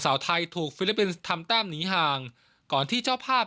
สาวไทยถูกฟิลิปปินส์ทำแต้มหนีห่างก่อนที่เจ้าภาพ